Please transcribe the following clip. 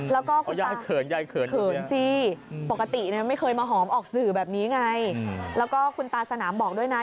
แล้วก็ยายเขินยายเขินเขินสิปกติไม่เคยมาหอมออกสื่อแบบนี้ไงแล้วก็คุณตาสนามบอกด้วยนะ